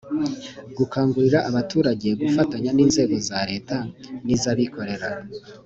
gukangurira abaturage gufatanya n’inzego za leta n'iz'abikorera